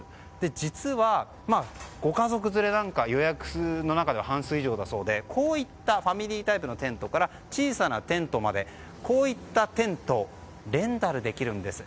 実は、ご家族連れなんかが予約の中では半数以上だそうでファミリータイプのテントから小さなテントまでこういったテントをレンタルできるんです。